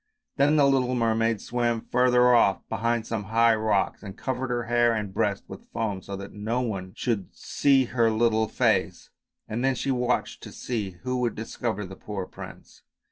Then the little mermaid swam further off behind some high rocks and covered her hair and breast with foam, so that no one should see her little face, and then she watched to see who would discover the poor prince.